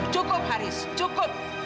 cukup haris cukup